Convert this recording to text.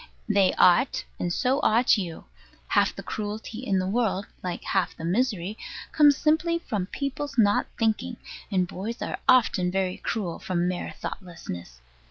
They ought; and so ought you. Half the cruelty in the world, like half the misery, comes simply from people's not thinking; and boys are often very cruel from mere thoughtlessness.